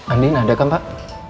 andin ada kan pak